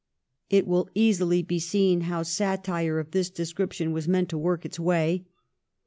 It will easily be seen how satire of this descrip tion was meant to work its way.